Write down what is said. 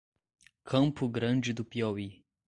Campo Grande do Piauí